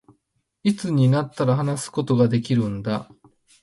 いつになったら、話すことができるんだ